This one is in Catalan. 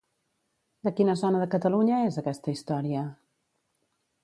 De quina zona de Catalunya és aquesta història?